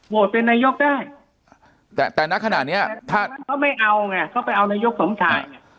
เป็นนายกได้แต่แต่ณขณะเนี้ยท่านเขาไม่เอาไงเขาไปเอานายกสมชายไง